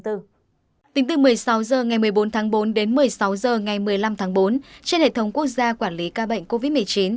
tính từ một mươi sáu h ngày một mươi bốn tháng bốn đến một mươi sáu h ngày một mươi năm tháng bốn trên hệ thống quốc gia quản lý ca bệnh covid một mươi chín